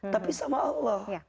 tapi sama allah